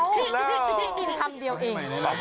พี่กินคำเดียวเอง